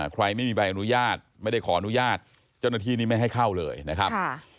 ไม่มีใบอนุญาตไม่ได้ขออนุญาตเจ้าหน้าที่นี่ไม่ให้เข้าเลยนะครับ